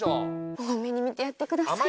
大目に見てやってください。